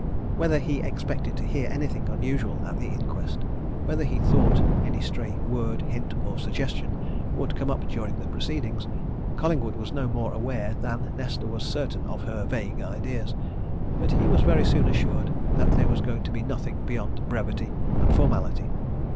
Whether he expected to hear anything unusual at the inquest, whether he thought any stray word, hint, or suggestion would come up during the proceedings, Collingwood was no more aware than Nesta was certain of her vague ideas. But he was very soon assured that there was going to be nothing beyond brevity and formality.